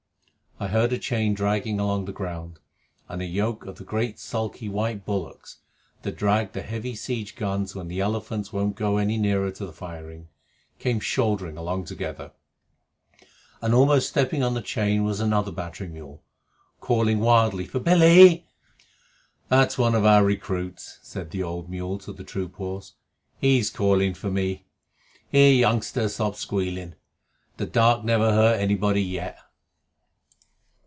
I heard a chain dragging along the ground, and a yoke of the great sulky white bullocks that drag the heavy siege guns when the elephants won't go any nearer to the firing, came shouldering along together. And almost stepping on the chain was another battery mule, calling wildly for "Billy." "That's one of our recruits," said the old mule to the troop horse. "He's calling for me. Here, youngster, stop squealing. The dark never hurt anybody yet."